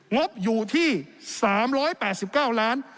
งบอยู่ที่๓๘๙ล้าน